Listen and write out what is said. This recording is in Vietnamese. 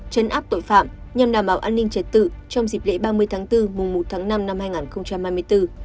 chấn áp tội phạm nhằm đảm bảo an ninh trật tự trong dịp lễ ba mươi tháng bốn mùa một tháng năm năm hai nghìn hai mươi bốn